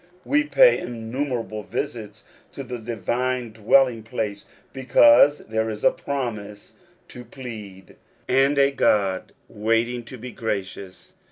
We pay innumerable visits to the divine dwelling place, because there is a promise to plead, and a God waiting to be gracious.